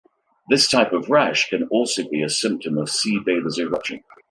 This type of rash can also be a symptom of Sea bather's eruption.